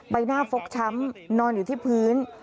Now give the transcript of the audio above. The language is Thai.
ใบหน้าฟกช้ำนอนอยู่ที่พื้น